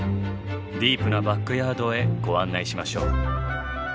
ディープなバックヤードへご案内しましょう。